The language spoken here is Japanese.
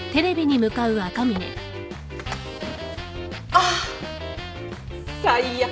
あっ最悪。